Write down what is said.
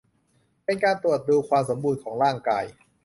เป็นการตรวจดูความสมบูรณ์ของร่างกาย